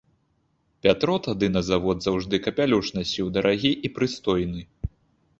Пятро тады на завод заўжды капялюш насіў дарагі і прыстойны.